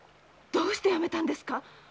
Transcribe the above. どうして辞めたんですか？